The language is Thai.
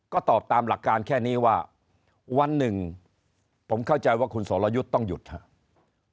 ก็ตอบตามหลักการแค่นี้ว่าวันหนึ่งผมเข้าใจว่าคุณสรยุทธ์ต้องหยุดครับ